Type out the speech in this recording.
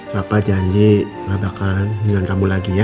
bapak janji gak bakalan mendingan kamu lagi ya